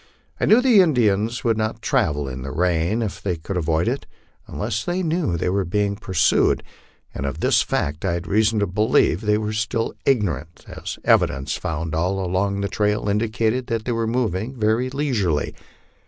I knew the Indians would not travel in the rain if they could avoid it, unless they knew they were pursued, and of this fact I had reason to believe they were still ignorant, as evidences found all along the trail indicated that they were moving very leisurely.